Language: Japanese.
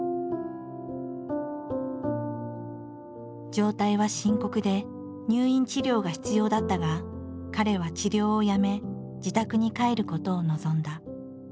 状態は深刻で入院治療が必要だったが彼は治療をやめ自宅に帰ることを望んだ。